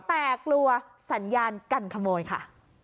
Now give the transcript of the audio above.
แต่กลัวสัญญากันขโมยค่ะ